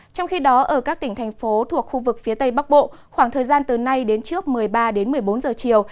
trong khi đó ở các tỉnh thành phố thuộc khu vực phía tây bắc bộ khoảng thời gian từ nay đến trước một mươi ba đến một mươi bốn giờ chiều